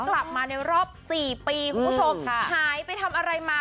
กลับมาในรอบสี่ปีคุณผู้ชมหายไปทำอะไรมา